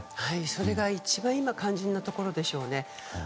それが今一番肝心なところでしょうね。